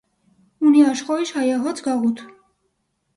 Ունի աշխոյժ հայահոծ գաղութ։